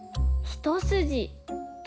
一筋？